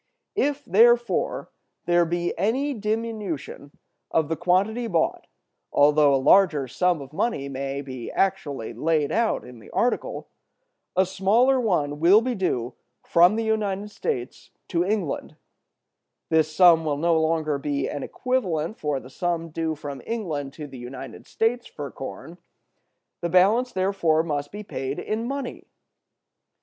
If, therefore, there be any diminution of the quantity bought, although a larger sum of money may be actually laid out in the article, a smaller one will be due from the United States to England: this sum will no longer be an equivalent for the sum due from England to the United States for corn, the balance therefore must be paid in money.